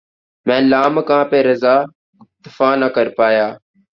مَیں لامکاں پہ رضاؔ ، اکتفا نہ کر پایا